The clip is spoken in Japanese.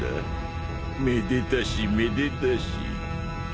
めでたしめでたし？